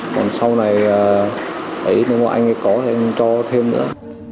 còn sau này nếu mà anh ấy có thì em cho thêm nữa